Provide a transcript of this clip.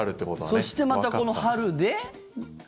そしてまたこの春で？